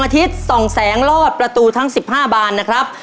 ถ้าถูกข้อแรกนะครับ